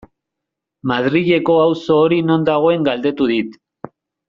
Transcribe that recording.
Madrileko auzo hori non dagoen galdetu dit.